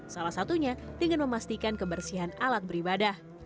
salah satunya dengan memastikan kebersihan alat beribadah